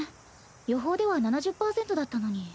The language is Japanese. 予報では７０％だったのに。